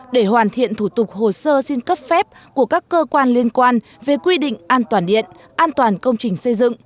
để hoàn thiện thủ tục hồ sơ xin cấp phép của các cơ quan liên quan về quy định an toàn điện an toàn công trình xây dựng